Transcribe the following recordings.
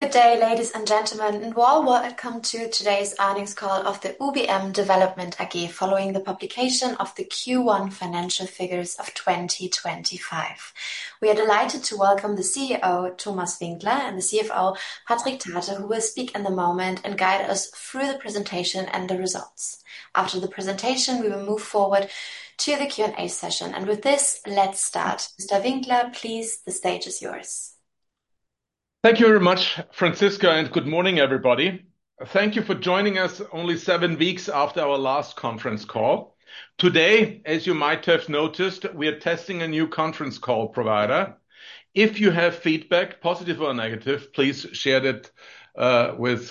Good day, ladies and gentlemen, and warm welcome to today's earnings call of UBM Development AG following the publication of the Q1 financial figures of 2025. We are delighted to welcome the CEO, Thomas Winkler, and the CFO, Patric Thate, who will speak in a moment and guide us through the presentation and the results. After the presentation, we will move forward to the Q&A session. With this, let's start. Mr. Winkler, please, the stage is yours. Thank you very much, Franziska, and good morning, everybody. Thank you for joining us only seven weeks after our last conference call. Today, as you might have noticed, we are testing a new conference call provider. If you have feedback, positive or negative, please share it with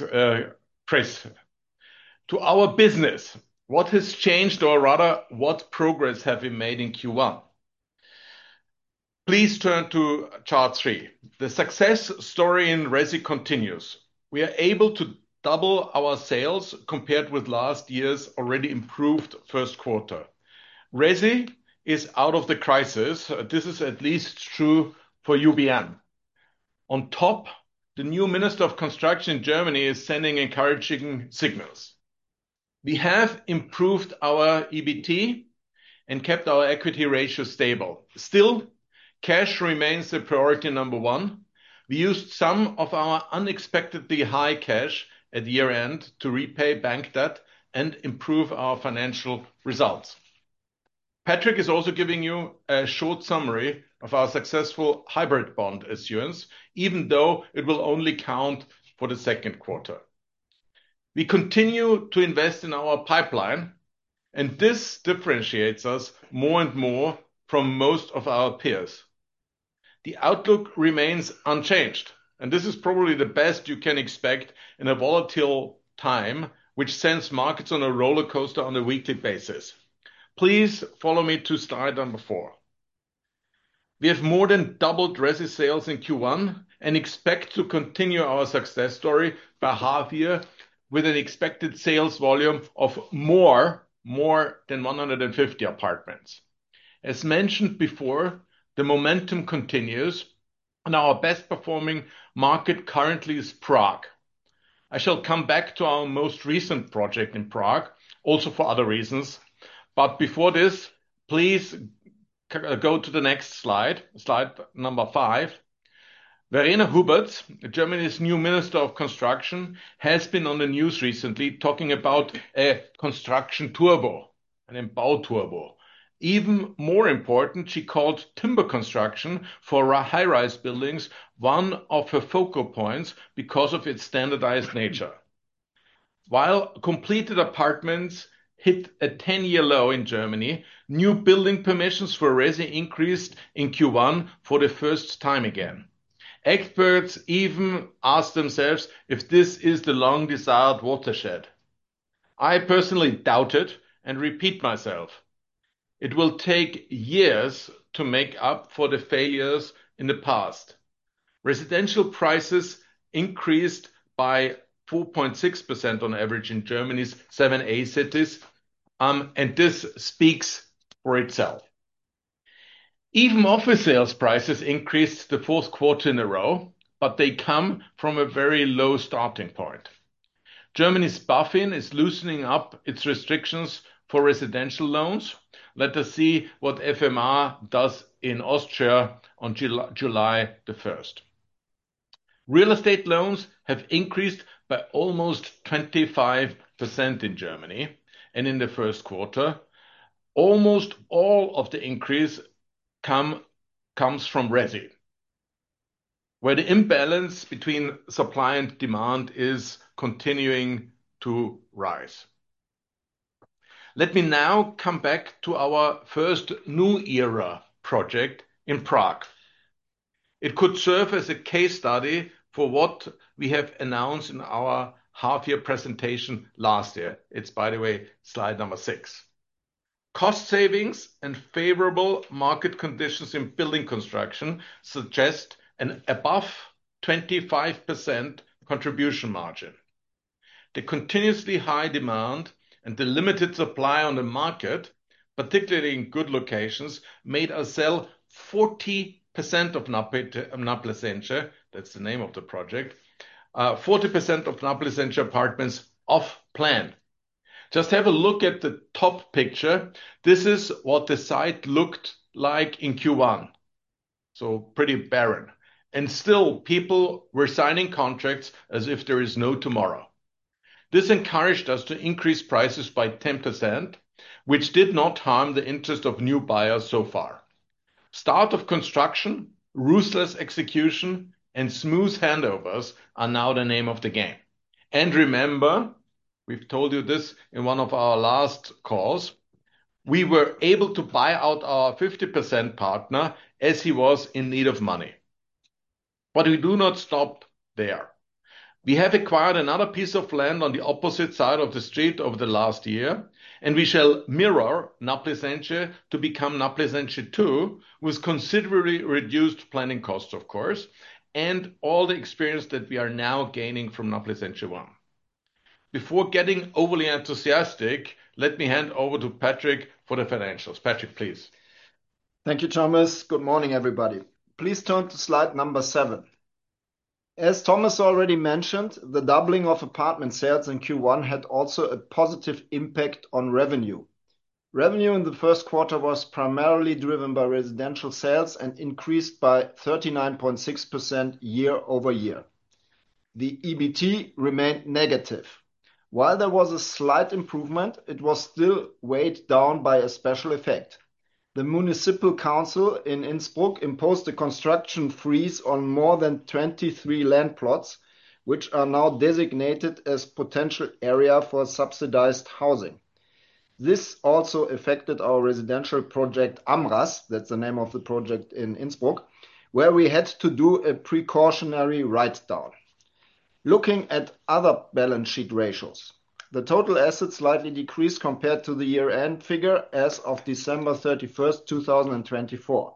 Chris. To our business, what has changed, or rather, what progress have we made in Q1? Please turn to chart three. The success story in Resi continues. We are able to double our sales compared with last year's already improved first quarter. Resi is out of the crisis. This is at least true for UBM. On top, the new Minister of Construction in Germany is sending encouraging signals. We have improved our EBT and kept our equity ratio stable. Still, cash remains the priority number one. We used some of our unexpectedly high cash at year-end to repay bank debt and improve our financial results. Patric is also giving you a short summary of our successful hybrid bond issuance, even though it will only count for the second quarter. We continue to invest in our pipeline, and this differentiates us more and more from most of our peers. The outlook remains unchanged, and this is probably the best you can expect in a volatile time, which sends markets on a roller coaster on a weekly basis. Please follow me to slide number four. We have more than doubled Resi sales in Q1 and expect to continue our success story for half a year with an expected sales volume of more than 150 apartments. As mentioned before, the momentum continues, and our best-performing market currently is Prague. I shall come back to our most recent project in Prague, also for other reasons. Before this, please go to the next slide, slide number five. Verena Hubertz, Germany's new Minister of Construction, has been on the news recently talking about a construction turbo, an imbow turbo. Even more important, she called timber construction for high-rise buildings one of her focal points because of its standardized nature. While completed apartments hit a 10-year low in Germany, new building permissions for Resi increased in Q1 for the first time again. Experts even ask themselves if this is the long-desired watershed. I personally doubt it and repeat myself. It will take years to make up for the failures in the past. Residential prices increased by 4.6% on average in Germany's seven A cities, and this speaks for itself. Even office sales prices increased the fourth quarter in a row, but they come from a very low starting point. Germany's BaFin is loosening up its restrictions for residential loans. Let us see what FMA does in Austria on July the 1st. Real estate loans have increased by almost 25% in Germany and in the first quarter. Almost all of the increase comes from Resi, where the imbalance between supply and demand is continuing to rise. Let me now come back to our first new era project in Prague. It could serve as a case study for what we have announced in our half-year presentation last year. It's, by the way, slide number six. Cost savings and favorable market conditions in building construction suggest an above 25% contribution margin. The continuously high demand and the limited supply on the market, particularly in good locations, made us sell 40% of Naplescentia; that's the name of the project, 40% of Naplescentia apartments off-plan. Just have a look at the top picture. This is what the site looked like in Q1. So pretty barren. And still, people were signing contracts as if there is no tomorrow. This encouraged us to increase prices by 10%, which did not harm the interest of new buyers so far. Start of construction, ruthless execution, and smooth handovers are now the name of the game. And remember, we've told you this in one of our last calls, we were able to buy out our 50% partner as he was in need of money. But we do not stop there. We have acquired another piece of land on the opposite side of the street over the last year, and we shall mirror Naplescentia to become Naplescentia 2 with considerably reduced planning costs, of course, and all the experience that we are now gaining from Naplescentia 1. Before getting overly enthusiastic, let me hand over to Patric for the financials. Patric, please. Thank you, Thomas. Good morning, everybody. Please turn to slide number seven. As Thomas already mentioned, the doubling of apartment sales in Q1 had also a positive impact on revenue. Revenue in the first quarter was primarily driven by residential sales and increased by 39.6% year-over-year. The EBT remained negative. While there was a slight improvement, it was still weighed down by a special effect. The municipal council in Innsbruck imposed a construction freeze on more than 23 land plots, which are now designated as potential area for subsidized housing. This also affected our residential project, Amras; that's the name of the project in Innsbruck, where we had to do a precautionary write-down. Looking at other balance sheet ratios, the total assets slightly decreased compared to the year-end figure as of December 31st, 2024.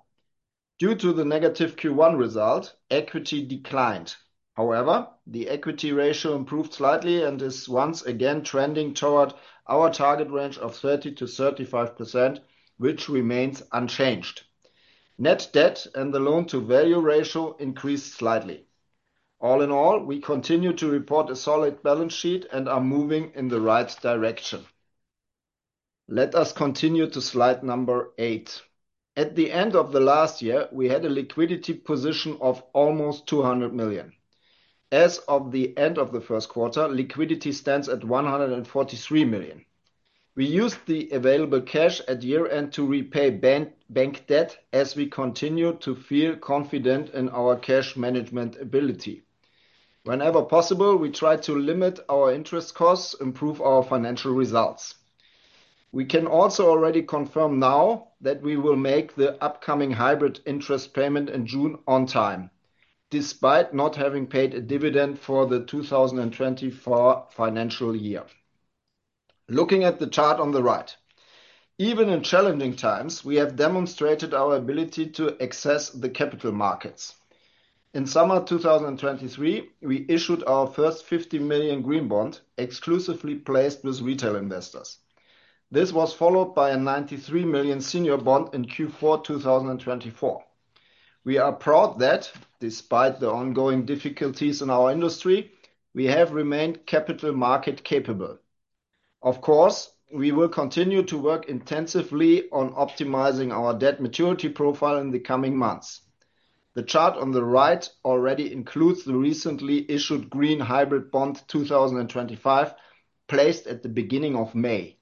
Due to the negative Q1 result, equity declined. However, the equity ratio improved slightly and is once again trending toward our target range of 30%-35%, which remains unchanged. Net debt and the loan-to-value ratio increased slightly. All in all, we continue to report a solid balance sheet and are moving in the right direction. Let us continue to slide number eight. At the end of the last year, we had a liquidity position of almost 200 million. As of the end of the first quarter, liquidity stands at 143 million. We used the available cash at year-end to repay bank debt as we continue to feel confident in our cash management ability. Whenever possible, we try to limit our interest costs, improve our financial results. We can also already confirm now that we will make the upcoming hybrid interest payment in June on time, despite not having paid a dividend for the 2024 financial year. Looking at the chart on the right, even in challenging times, we have demonstrated our ability to access the capital markets. In summer 2023, we issued our first 50 million green bond exclusively placed with retail investors. This was followed by a 93 million senior bond in Q4 2024. We are proud that, despite the ongoing difficulties in our industry, we have remained capital market capable. Of course, we will continue to work intensively on optimizing our debt maturity profile in the coming months. The chart on the right already includes the recently issued green hybrid bond 2025 placed at the beginning of May.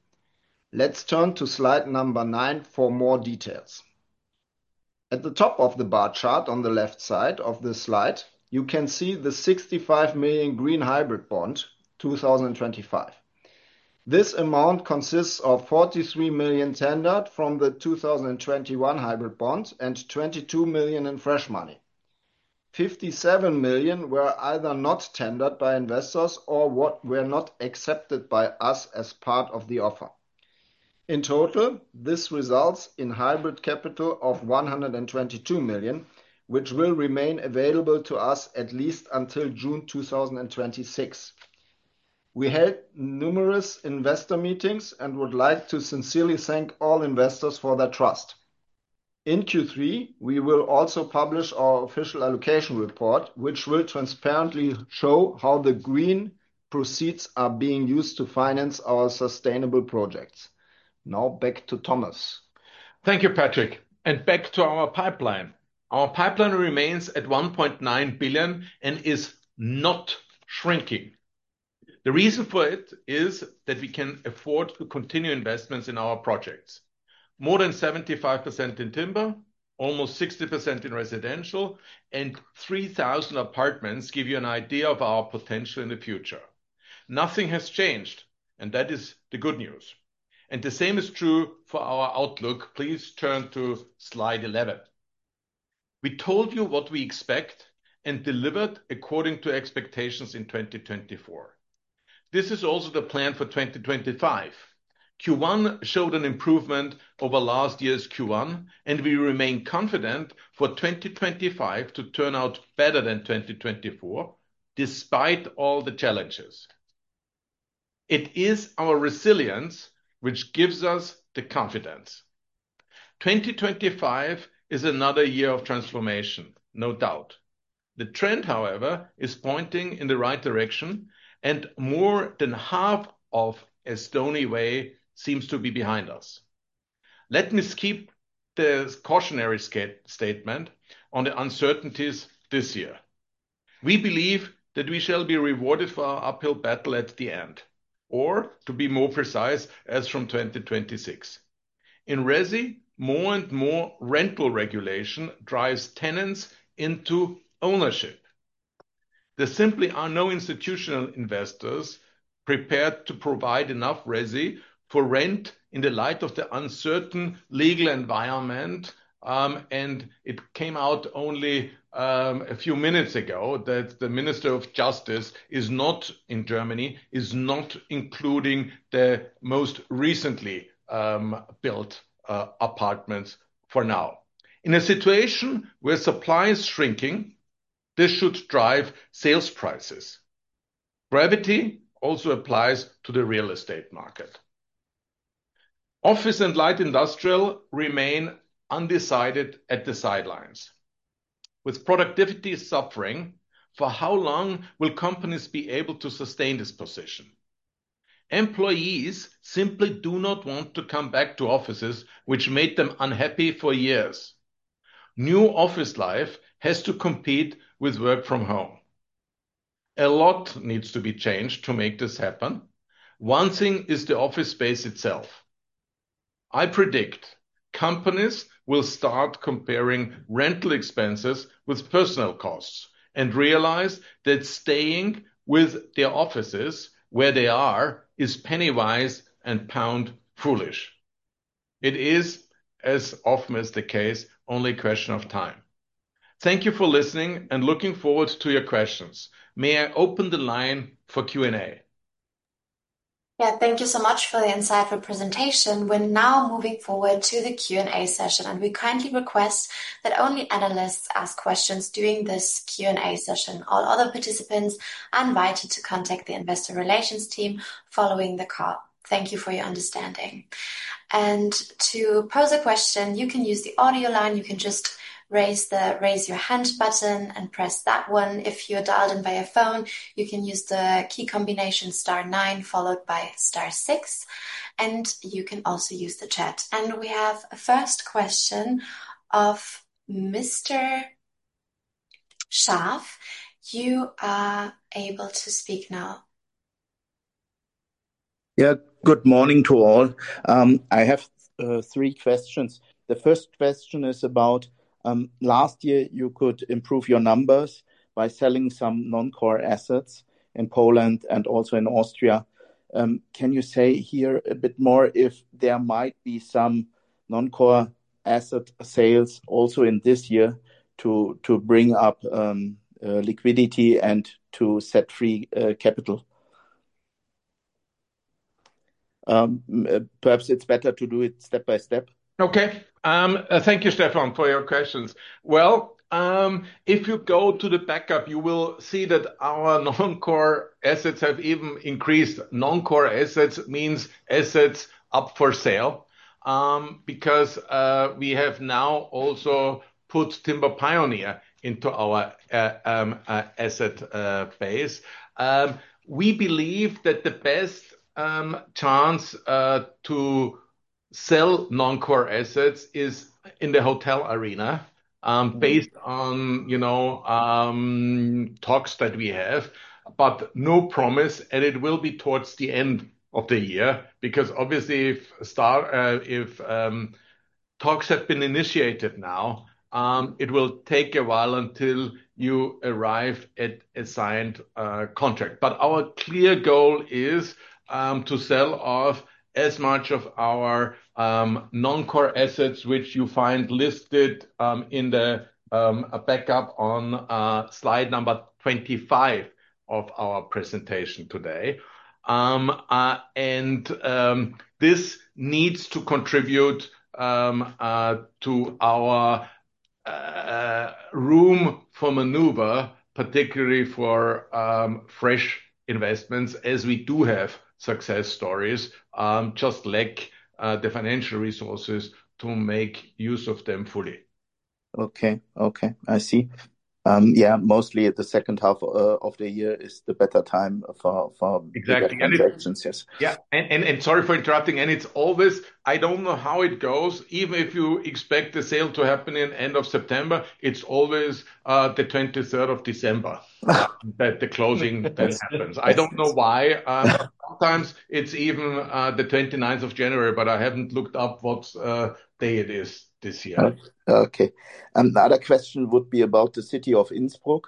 Let's turn to slide number nine for more details. At the top of the bar chart on the left side of the slide, you can see the 65 million green hybrid bond 2025. This amount consists of 43 million tendered from the 2021 hybrid bond and 22 million in fresh money. 57 million were either not tendered by investors or were not accepted by us as part of the offer. In total, this results in hybrid capital of 122 million, which will remain available to us at least until June 2026. We held numerous investor meetings and would like to sincerely thank all investors for their trust. In Q3, we will also publish our official allocation report, which will transparently show how the green proceeds are being used to finance our sustainable projects. Now back to Thomas. Thank you, Patric. Back to our pipeline. Our pipeline remains at 1.9 billion and is not shrinking. The reason for it is that we can afford to continue investments in our projects. More than 75% in timber, almost 60% in residential, and 3,000 apartments give you an idea of our potential in the future. Nothing has changed, and that is the good news. The same is true for our outlook. Please turn to slide 11. We told you what we expect and delivered according to expectations in 2024. This is also the plan for 2025. Q1 showed an improvement over last year's Q1, and we remain confident for 2025 to turn out better than 2024, despite all the challenges. It is our resilience which gives us the confidence. 2025 is another year of transformation, no doubt. The trend, however, is pointing in the right direction, and more than half of Estonia's way seems to be behind us. Let me skip the cautionary statement on the uncertainties this year. We believe that we shall be rewarded for our uphill battle at the end, or to be more precise, as from 2026. In Resi, more and more rental regulation drives tenants into ownership. There simply are no institutional investors prepared to provide enough Resi for rent in the light of the uncertain legal environment. It came out only a few minutes ago that the Minister of Justice is not in Germany, is not including the most recently built apartments for now. In a situation where supply is shrinking, this should drive sales prices. Gravity also applies to the real estate market. Office and light industrial remain undecided at the sidelines. With productivity suffering, for how long will companies be able to sustain this position? Employees simply do not want to come back to offices, which made them unhappy for years. New office life has to compete with work from home. A lot needs to be changed to make this happen. One thing is the office space itself. I predict companies will start comparing rental expenses with personal costs and realize that staying with their offices where they are is pennywise and pound foolish. It is, as often as the case, only a question of time. Thank you for listening and looking forward to your questions. May I open the line for Q&A? Yeah, thank you so much for the insightful presentation. We're now moving forward to the Q&A session, and we kindly request that only Analysts ask questions during this Q&A session. All other participants are invited to contact the investor relations team following the call. Thank you for your understanding. To pose a question, you can use the audio line. You can just raise your hand button and press that one. If you're dialed in by your phone, you can use the key combination star nine followed by star six. You can also use the chat. We have a first question of Mr. Scharff. You are able to speak now. Yeah, good morning to all. I have three questions. The first question is about last year you could improve your numbers by selling some non-core assets in Poland and also in Austria. Can you say here a bit more if there might be some non-core asset sales also in this year to bring up liquidity and to set free capital? Perhaps it's better to do it step by step. Okay. Thank you, Stefan, for your questions. If you go to the backup, you will see that our non-core assets have even increased. Non-core assets means assets up for sale because we have now also put Timber Pioneer into our asset base. We believe that the best chance to sell non-core assets is in the hotel arena based on talks that we have, but no promise, and it will be towards the end of the year because obviously if talks have been initiated now, it will take a while until you arrive at a signed contract. Our clear goal is to sell off as much of our non-core assets, which you find listed in the backup on slide number 25 of our presentation today. This needs to contribute to our room for maneuver, particularly for fresh investments, as we do have success stories, just like the financial resources to make use of them fully. Okay, okay. I see. Yeah, mostly at the second half of the year is the better time for investments, yes. Yeah. Sorry for interrupting. It's always, I don't know how it goes, even if you expect the sale to happen in the end of September, it's always the 23rd of December that the closing happens. I don't know why. Sometimes it's even the 29th of January, but I haven't looked up what day it is this year. Okay. Another question would be about the city of Innsbruck.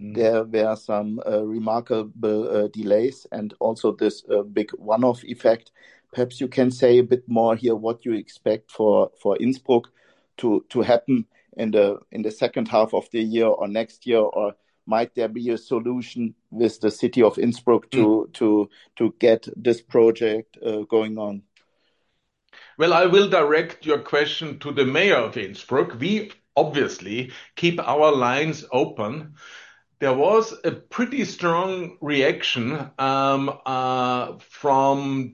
There were some remarkable delays and also this big one-off effect. Perhaps you can say a bit more here what you expect for Innsbruck to happen in the second half of the year or next year, or might there be a solution with the city of Innsbruck to get this project going on? I will direct your question to the mayor of Innsbruck. We obviously keep our lines open. There was a pretty strong reaction from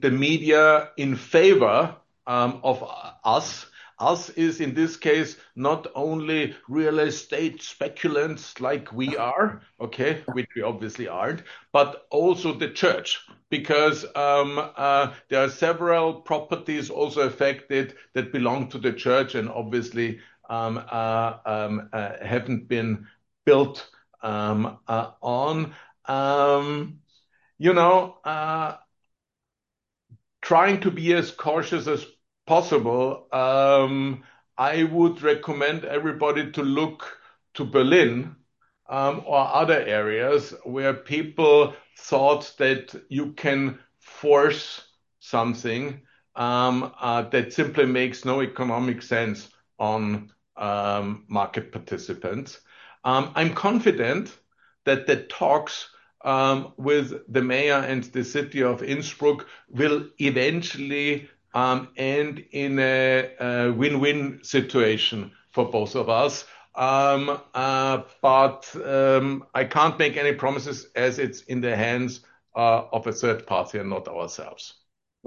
the media in favor of us. Us is in this case not only real estate speculants like we are, okay, which we obviously aren't, but also the church because there are several properties also affected that belong to the church and obviously haven't been built on. Trying to be as cautious as possible, I would recommend everybody to look to Berlin or other areas where people thought that you can force something that simply makes no economic sense on market participants. I'm confident that the talks with the mayor and the city of Innsbruck will eventually end in a win-win situation for both of us. I can't make any promises as it's in the hands of a third party and not ourselves.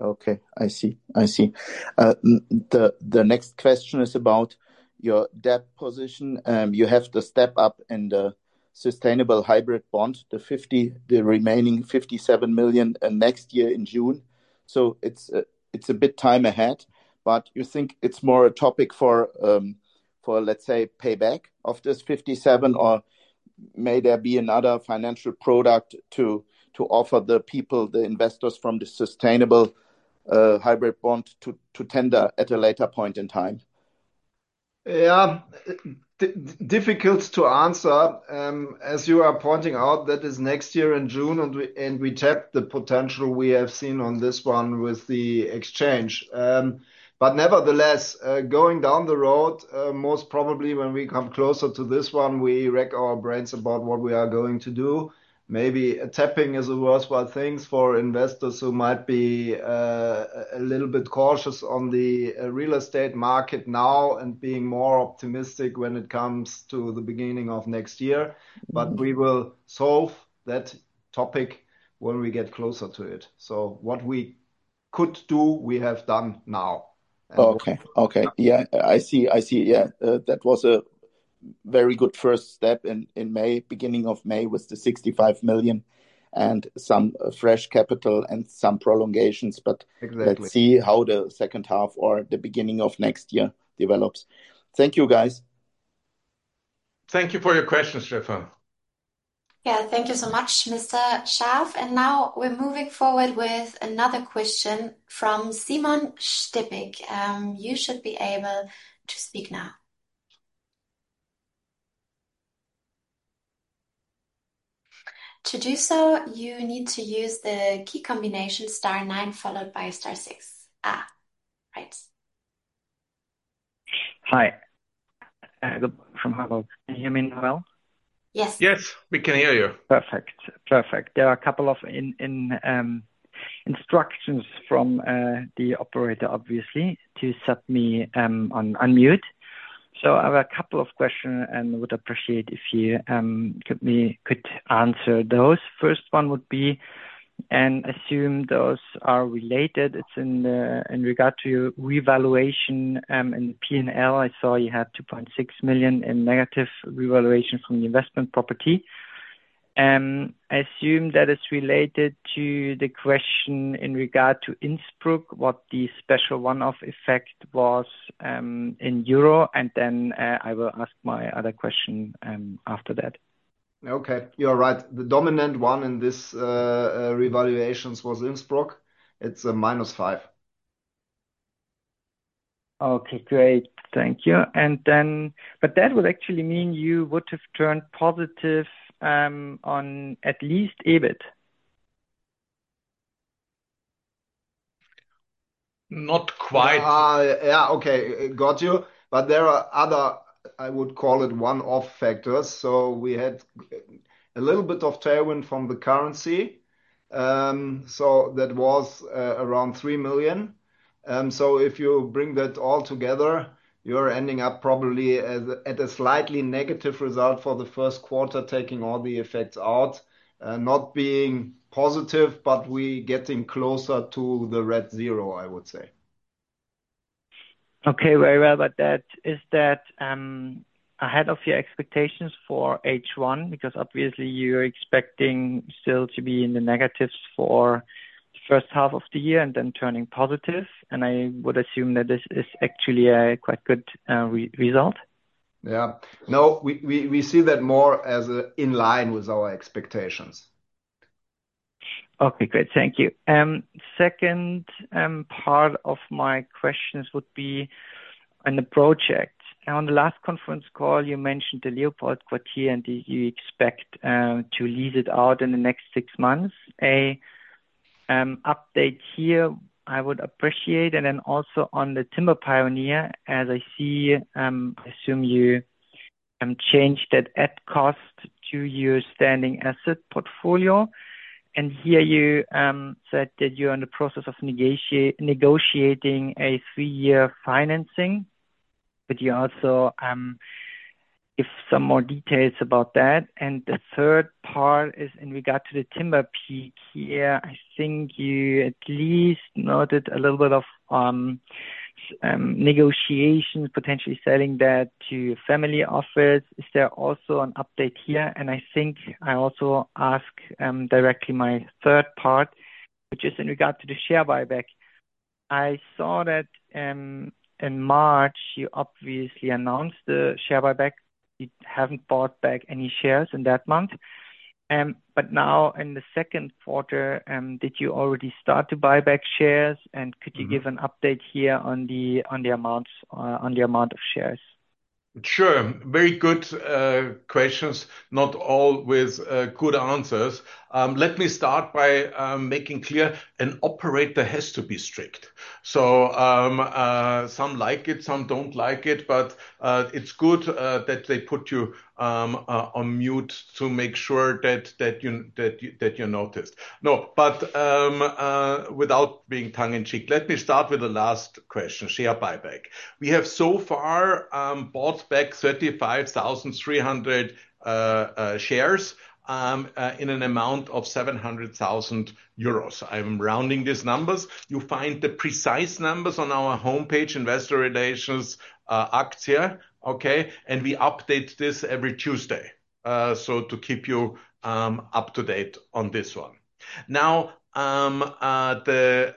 Okay, I see. I see. The next question is about your debt position. You have to step up in the sustainable hybrid bond, the remaining 57 million next year in June. It is a bit time ahead, but you think it is more a topic for, let's say, payback of this 57 million, or may there be another financial product to offer the people, the investors from the sustainable hybrid bond to tender at a later point in time? Yeah, difficult to answer. As you are pointing out, that is next year in June, and we tap the potential we have seen on this one with the exchange. Nevertheless, going down the road, most probably when we come closer to this one, we wreck our brains about what we are going to do. Maybe tapping is a worthwhile thing for investors who might be a little bit cautious on the real estate market now and being more optimistic when it comes to the beginning of next year. We will solve that topic when we get closer to it. What we could do, we have done now. Okay, okay. Yeah, I see. Yeah, that was a very good first step in May, beginning of May with the 65 million and some fresh capital and some prolongations, but let's see how the second half or the beginning of next year develops. Thank you, guys. Thank you for your questions, Stefan. Yeah, thank you so much, Mr. Scharff. Now we're moving forward with another question from Simon Stippig. You should be able to speak now. To do so, you need to use the key combination star nine followed by star six. Right. Hi, from Warburg. Can you hear me well? Yes. Yes, we can hear you. Perfect. Perfect. There are a couple of instructions from the operator, obviously, to set me on mute. I have a couple of questions and would appreciate if you could answer those. First one would be, and assume those are related. It is in regard to revaluation in the P&L. I saw you had 2.6 million in negative revaluation from the investment property. I assume that it is related to the question in regard to Innsbruck, what the special one-off effect was in euro, and then I will ask my other question after that. Okay. You're right. The dominant one in this revaluation was Innsbruck. It's a minus 5. Okay, great. Thank you. That would actually mean you would have turned positive on at least EBIT. Not quite. Yeah, okay. Got you. There are other, I would call it one-off factors. We had a little bit of tailwind from the currency. That was around 3 million. If you bring that all together, you're ending up probably at a slightly negative result for the first quarter, taking all the effects out, not being positive, but we're getting closer to the red zero, I would say. Okay, very well. Is that ahead of your expectations for H1? Because obviously you're expecting still to be in the negatives for the first half of the year and then turning positive. I would assume that this is actually a quite good result. Yeah. No, we see that more as in line with our expectations. Okay, great. Thank you. Second part of my questions would be on the project. On the last conference call, you mentioned the LeopoldQuartier and you expect to lease it out in the next six months. An update here I would appreciate. Also on the Timber Pioneer, as I see, I assume you changed that at cost to your standing asset portfolio. Here you said that you're in the process of negotiating a three-year financing, but could you also give some more details about that. The third part is in regard to the Timber Peak here. I think you at least noted a little bit of negotiation, potentially selling that to a family office. Is there also an update here. I think I also ask directly my third part, which is in regard to the share buyback. I saw that in March, you obviously announced the share buyback. You haven't bought back any shares in that month. In the second quarter, did you already start to buy back shares? Could you give an update here on the amount of shares? Sure. Very good questions. Not all with good answers. Let me start by making clear an operator has to be strict. Some like it, some do not like it, but it is good that they put you on mute to make sure that you are noticed. No, but without being tongue in cheek, let me start with the last question, share buyback. We have so far bought back 35,300 shares in an amount of 700,000 euros. I am rounding these numbers. You find the precise numbers on our homepage, investor relations, Axia. Okay. We update this every Tuesday to keep you up to date on this one. The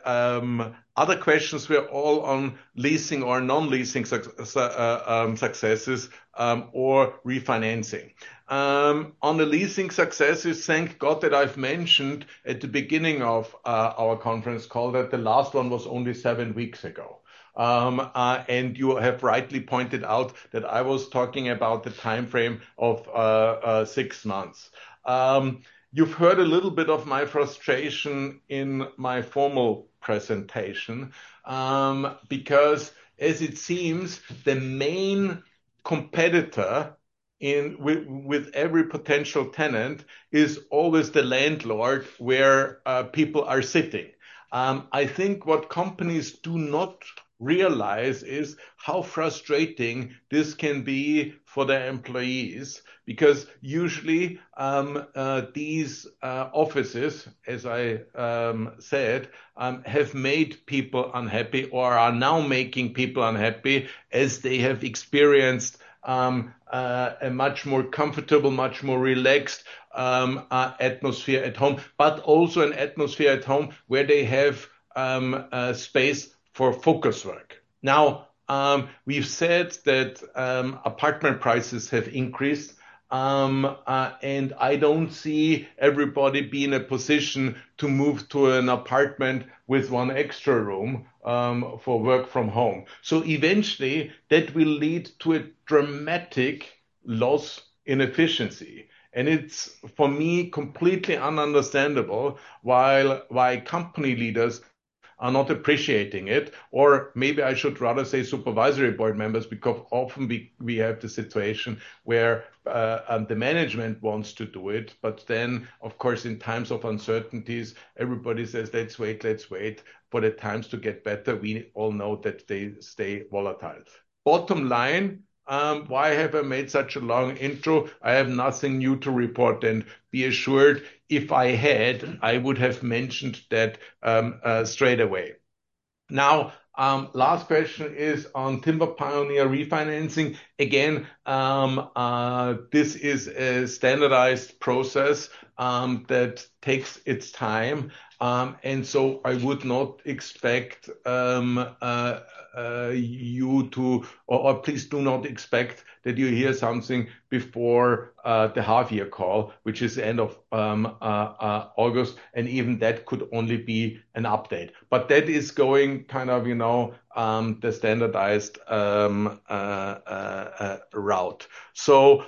other questions were all on leasing or non-leasing successes or refinancing. On the leasing successes, thank God that I have mentioned at the beginning of our conference call that the last one was only seven weeks ago. You have rightly pointed out that I was talking about the timeframe of six months. You have heard a little bit of my frustration in my formal presentation because as it seems, the main competitor with every potential tenant is always the landlord where people are sitting. I think what companies do not realize is how frustrating this can be for their employees because usually these offices, as I said, have made people unhappy or are now making people unhappy as they have experienced a much more comfortable, much more relaxed atmosphere at home, but also an atmosphere at home where they have space for focus work. We have said that apartment prices have increased, and I do not see everybody being in a position to move to an apartment with one extra room for work from home. Eventually that will lead to a dramatic loss in efficiency. It is for me completely ununderstandable why company leaders are not appreciating it, or maybe I should rather say supervisory board members because often we have the situation where the management wants to do it, but in times of uncertainties, everybody says, "Let's wait, let's wait." At times to get better, we all know that they stay volatile. Bottom line, why have I made such a long intro? I have nothing new to report. Be assured, if I had, I would have mentioned that straight away. The last question is on Timber Pioneer refinancing. Again, this is a standardized process that takes its time. I would not expect you to, or please do not expect that you hear something before the half-year call, which is the end of August. Even that could only be an update. That is going kind of the standardized route. It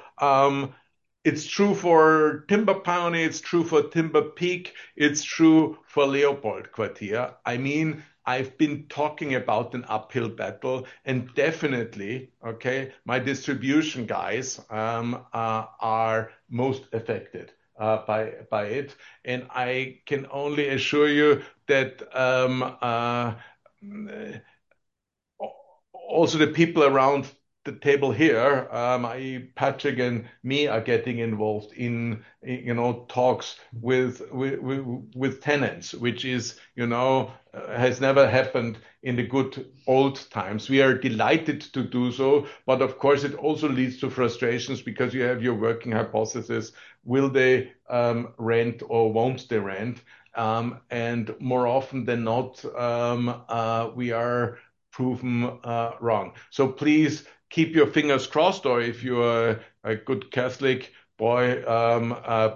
is true for Timber Pioneer, it is true for Timber Peak, it is true for LeopoldQuartier. I mean, I have been talking about an uphill battle and definitely, okay, my distribution guys are most affected by it. I can only assure you that also the people around the table here, Patric and me, are getting involved in talks with tenants, which has never happened in the good old times. We are delighted to do so, but of course it also leads to frustrations because you have your working hypothesis. Will they rent or will they not rent? More often than not, we are proven wrong. Please keep your fingers crossed or if you are a good Catholic boy,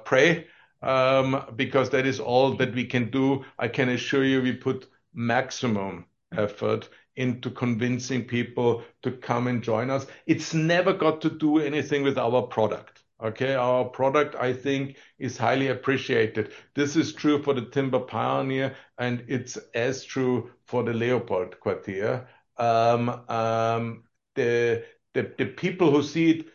pray because that is all that we can do. I can assure you we put maximum effort into convincing people to come and join us. It's never got to do anything with our product. Okay? Our product, I think, is highly appreciated. This is true for the Timber Pioneer and it's as true for the LeopoldQuartier. The people who see it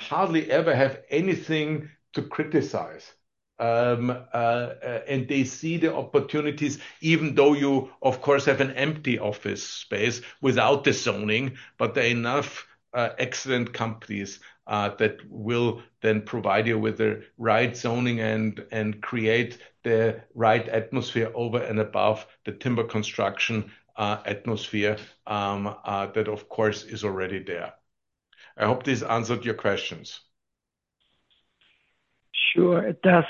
hardly ever have anything to criticize. They see the opportunities, even though you of course have an empty office space without the zoning, but there are enough excellent companies that will then provide you with the right zoning and create the right atmosphere over and above the timber construction atmosphere that of course is already there. I hope this answered your questions. Sure, it does.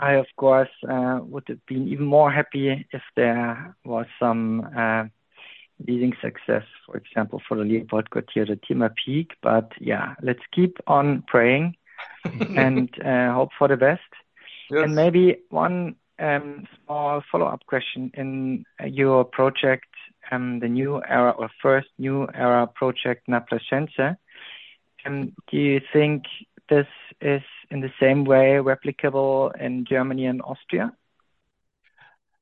I of course would have been even more happy if there was some leading success, for example, for the LeopoldQuartier, the Timber Peak. Yeah, let's keep on praying and hope for the best. Maybe one small follow-up question: in your project, the new era or first new era project, Naplescentia. Do you think this is in the same way replicable in Germany and Austria?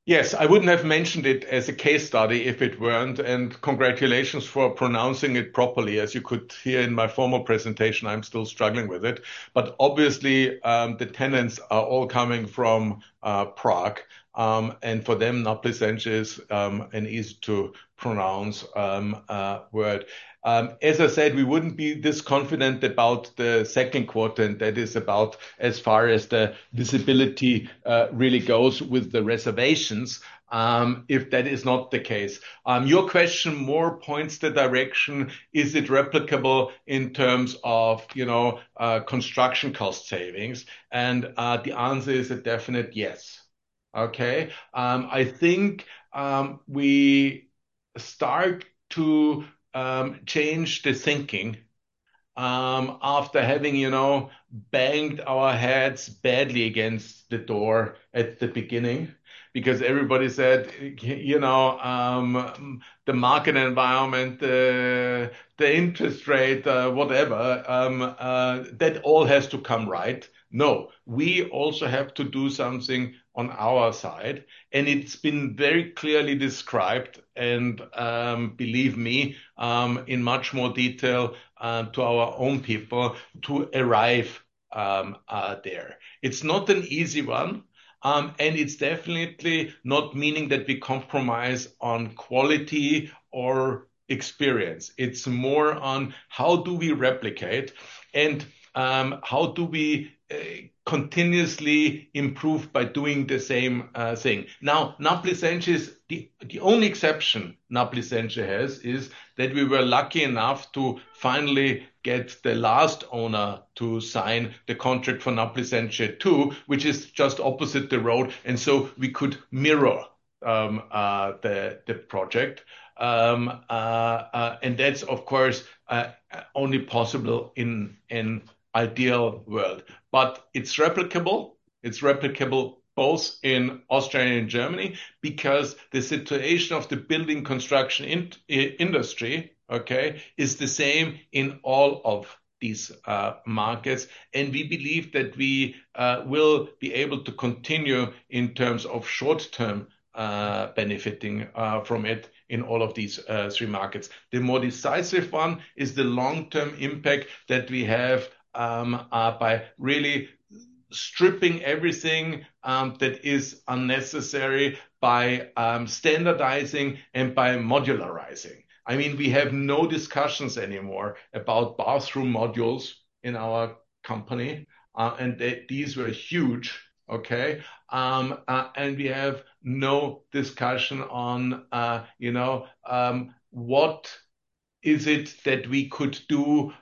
Yes. I wouldn't have mentioned it as a case study if it weren't. Congratulations for pronouncing it properly. As you could hear in my formal presentation, I'm still struggling with it. Obviously the tenants are all coming from Prague. For them, Naplescentia is an easy to pronounce word. As I said, we wouldn't be this confident about the second quarter and that is about as far as the visibility really goes with the reservations if that is not the case. Your question more points the direction, is it replicable in terms of construction cost savings? The answer is a definite yes. Okay? I think we start to change the thinking after having banged our heads badly against the door at the beginning because everybody said, "The market environment, the interest rate, whatever, that all has to come right." No, we also have to do something on our side. It has been very clearly described and believe me in much more detail to our own people to arrive there. It is not an easy one. It is definitely not meaning that we compromise on quality or experience. It is more on how do we replicate and how do we continuously improve by doing the same thing. Now, Naplescentia, the only exception Naplescentia has is that we were lucky enough to finally get the last owner to sign the contract for Naplescentia 2, which is just opposite the road. We could mirror the project. That is of course only possible in an ideal world. It is replicable. It is replicable both in Austria and Germany because the situation of the building construction industry is the same in all of these markets. We believe that we will be able to continue in terms of short-term benefiting from it in all of these three markets. The more decisive one is the long-term impact that we have by really stripping everything that is unnecessary, by standardizing, and by modularizing. I mean, we have no discussions anymore about bathroom modules in our company. These were huge, okay? We have no discussion on what it is that we could do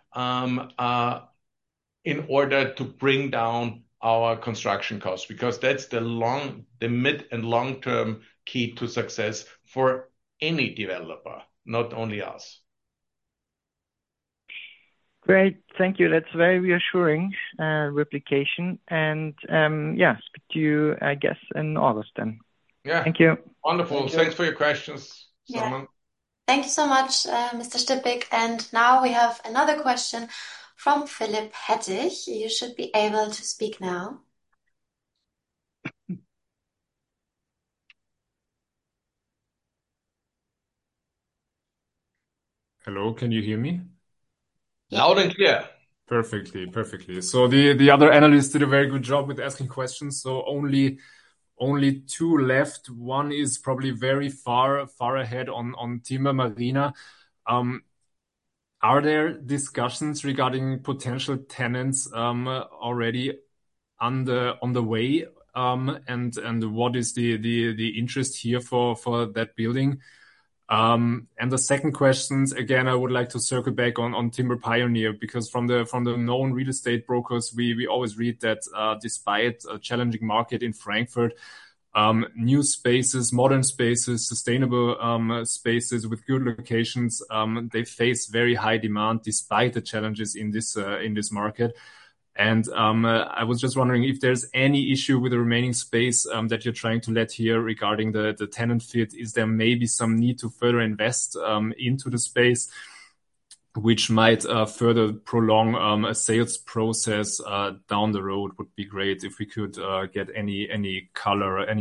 in order to bring down our construction costs because that is the mid and long-term key to success for any developer, not only us. Great. Thank you. That's very reassuring replication. Yeah, speak to you, I guess, in August then. Yeah. Thank you. Wonderful. Thanks for your questions, Simon. Thank you so much, Mr. Stippig. Now we have another question from Philip Hettich. You should be able to speak now. Hello. Can you hear me? Loud and clear. Perfectly. Perfectly. The other Analysts did a very good job with asking questions. Only two left. One is probably very far ahead on Timber Pioneer. Are there discussions regarding potential tenants already on the way? What is the interest here for that building? The second question, again, I would like to circle back on Timber Pioneer because from the known real estate brokers, we always read that despite a challenging market in Frankfurt, new spaces, modern spaces, sustainable spaces with good locations, they face very high demand despite the challenges in this market. I was just wondering if there's any issue with the remaining space that you're trying to let here regarding the tenant fit. Is there maybe some need to further invest into the space, which might further prolong a sales process down the road? Would be great if we could get any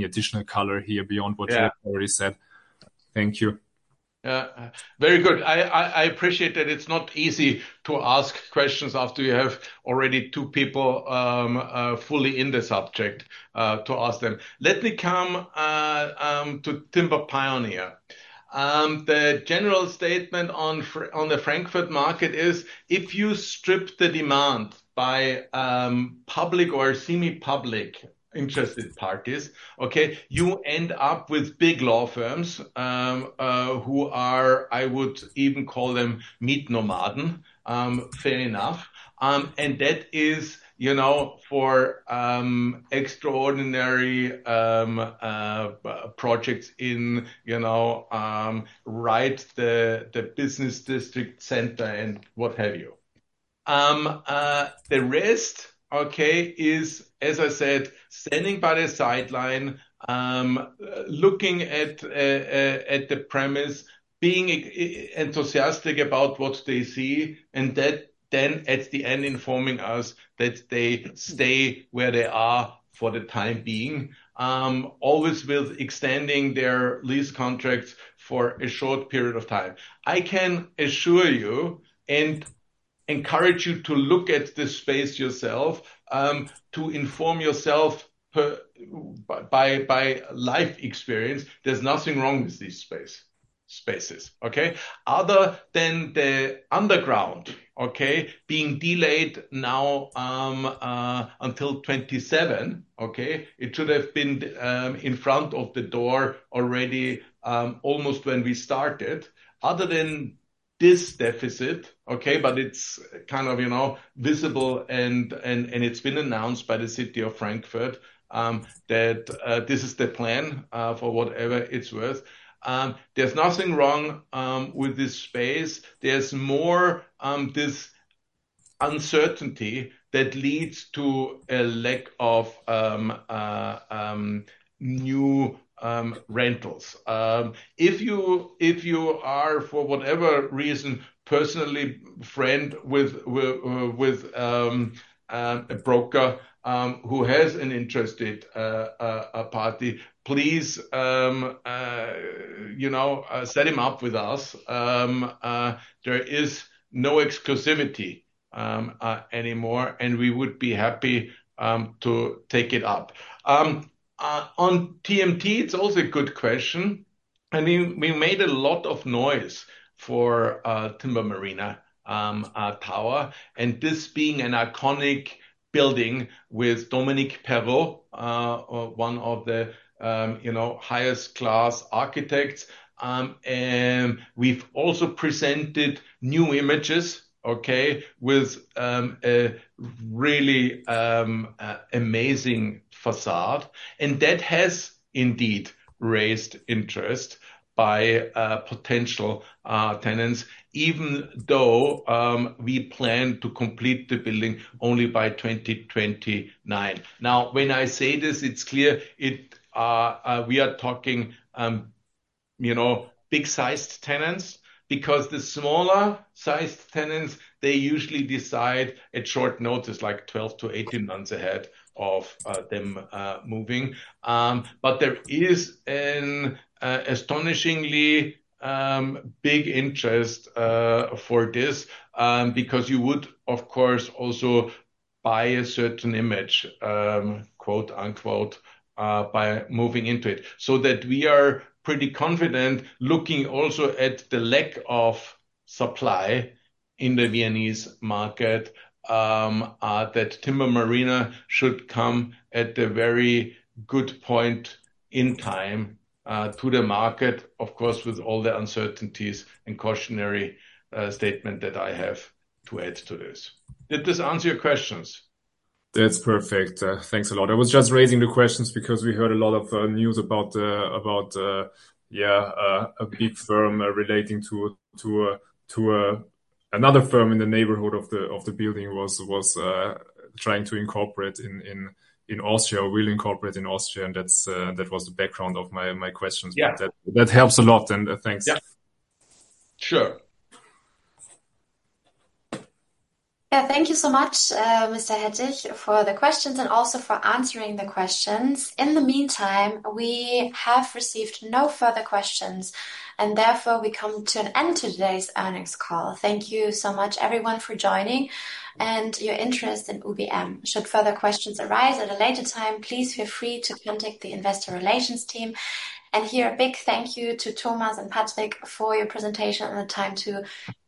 additional color here beyond what you already said. Thank you. Very good. I appreciate that it's not easy to ask questions after you have already two people fully in the subject to ask them. Let me come to Timber Pioneer. The general statement on the Frankfurt market is if you strip the demand by public or semi-public interested parties, okay, you end up with big law firms who are, I would even call them meat nomads, fair enough. That is for extraordinary projects in right the business district center and what have you. The rest, okay, is, as I said, standing by the sideline, looking at the premise, being enthusiastic about what they see, and then at the end informing us that they stay where they are for the time being, always with extending their lease contracts for a short period of time. I can assure you and encourage you to look at this space yourself, to inform yourself by life experience. There's nothing wrong with these spaces, okay? Other than the underground, okay, being delayed now until 2027, okay, it should have been in front of the door already almost when we started. Other than this deficit, okay, but it's kind of visible and it's been announced by the city of Frankfurt that this is the plan for whatever it's worth. There's nothing wrong with this space. There's more this uncertainty that leads to a lack of new rentals. If you are, for whatever reason, personally friend with a broker who has an interested party, please set him up with us. There is no exclusivity anymore, and we would be happy to take it up. On TMT, it's also a good question. I mean, we made a lot of noise for Timber Marina Tower. This being an iconic building with Dominique Perrault, one of the highest class architects. We have also presented new images, okay, with a really amazing façade. That has indeed raised interest by potential tenants, even though we plan to complete the building only by 2029. Now, when I say this, it is clear we are talking big-sized tenants because the smaller-sized tenants usually decide at short notice, like 12-18 months ahead of them moving. There is an astonishingly big interest for this because you would, of course, also buy a certain image, quote unquote, by moving into it. We are pretty confident, looking also at the lack of supply in the Viennese market, that Timber Marina should come at a very good point in time to the market, of course, with all the uncertainties and cautionary statement that I have to add to this. Did this answer your questions? That's perfect. Thanks a lot. I was just raising the questions because we heard a lot of news about, yeah, a big firm relating to another firm in the neighborhood of the building was trying to incorporate in Austria or will incorporate in Austria. That was the background of my questions. That helps a lot. Thanks. Sure. Yeah. Thank you so much, Mr. Hettich, for the questions and also for answering the questions. In the meantime, we have received no further questions, and therefore we come to an end to today's earnings call. Thank you so much, everyone, for joining and your interest in UBM. Should further questions arise at a later time, please feel free to contact the investor relations team. Here, a big thank you to Thomas and Patric for your presentation and the time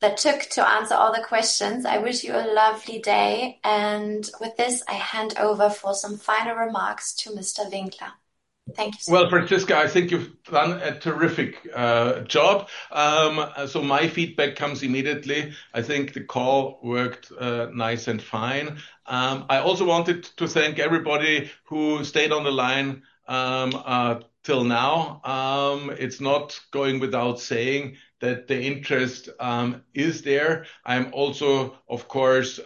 that it took to answer all the questions. I wish you a lovely day. With this, I hand over for some final remarks to Mr. Winkler. Thank you so much. Franziska, I think you've done a terrific job. My feedback comes immediately. I think the call worked nice and fine. I also wanted to thank everybody who stayed on the line till now. It's not going without saying that the interest is there. I'm also, of course,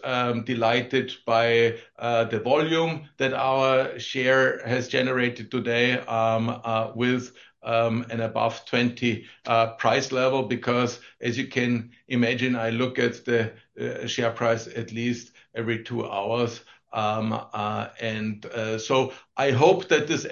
delighted by the volume that our share has generated today with an above 20 price level because, as you can imagine, I look at the share price at least every two hours. I hope that this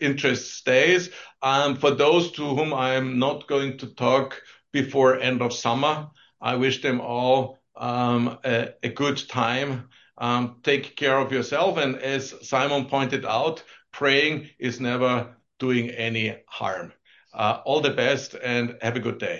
interest stays. For those to whom I'm not going to talk before the end of summer, I wish them all a good time. Take care of yourself. As Simon pointed out, praying is never doing any harm. All the best and have a good day.